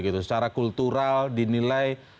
secara kultural dinilai